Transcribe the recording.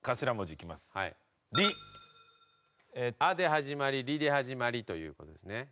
「あ」で始まり「り」で始まりという事ですね。